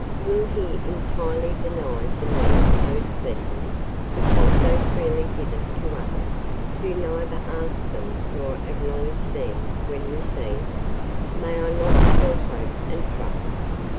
Will He entirely deny to me those blessings which are so freely given to others, who neither ask them nor acknowledge them when received? May I not still hope and trust?